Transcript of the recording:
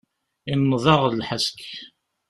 Inneḍ-aɣ lḥesk.